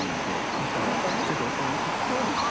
そしたらちょっと。